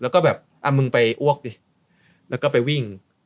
แล้วก็แบบมึงไปอ้วกดิแล้วก็ไปวิ่ง